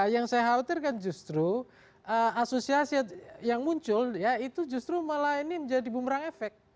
yang saya khawatirkan justru asosiasi yang muncul ya itu justru malah ini menjadi bumerang efek